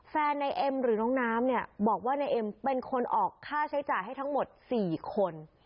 ในเอ็มหรือน้องน้ำเนี่ยบอกว่านายเอ็มเป็นคนออกค่าใช้จ่ายให้ทั้งหมด๔คน